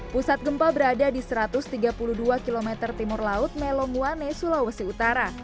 pusat gempa berada di satu ratus tiga puluh dua km timur laut melongwane sulawesi utara